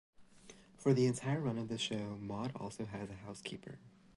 For the entire run of the show, Maude also has a housekeeper.